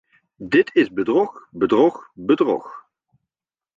Dit is bedrog, bedrog, bedrog!